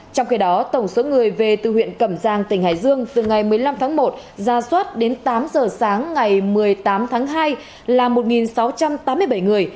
trong khi đó tổng số người về từ huyện cẩm giang tỉnh hải dương từ ngày một mươi năm tháng một ra soát đến tám giờ sáng ngày một mươi tám tháng hai là một sáu trăm tám mươi bảy người